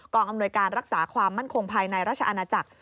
อำนวยการรักษาความมั่นคงภายในราชอาณาจักร